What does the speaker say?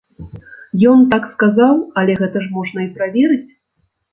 Ён так сказаў, але гэта ж можна і праверыць!